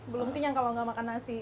belum kenyang kalau nggak makan nasi